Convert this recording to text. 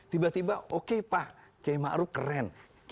tiba tiba oke pak kiai ma'ruf keren